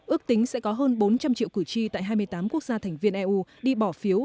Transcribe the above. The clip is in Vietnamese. ước tính sẽ có hơn bốn trăm linh triệu cử tri tại hai mươi tám quốc gia thành viên eu đi bỏ phiếu